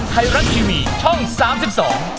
สวัสดีครับ